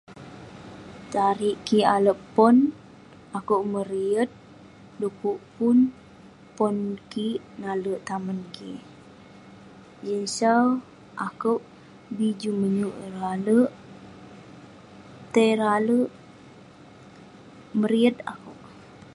Tariek kik alek pon , akouk meriyet, du'kuk pun pon kik , nalek tamen kik..jin sau, akouk bi juk menyuk ireh alek.. tai ireh alek, meriyet akouk..